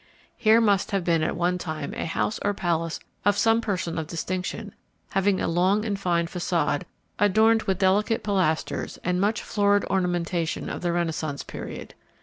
Here must have been at one time a house or palace of some person of distinction, having a long and fine façade adorned with delicate pilasters, and much florid ornamentation of the Renaissance period.